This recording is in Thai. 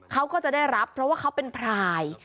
เขาก็จะได้รับเพราะว่าเขาเป็นพราย